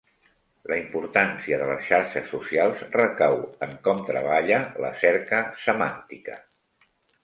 La importància de les xarxes socials recau en com treballa la cerca semàntica.